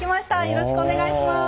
よろしくお願いします。